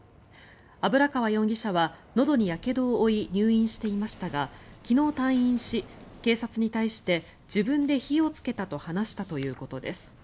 油川容疑者はのどにやけどを負い入院していましたが昨日退院し警察に対して自分で火をつけたと話したということです。